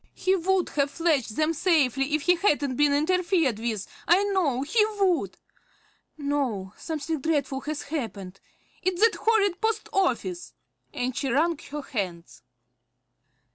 He would have fetched them safely if he hadn't been interfered with, I know he would! No, something dreadful has happened, it's that horrid post office!" and she wrung her hands.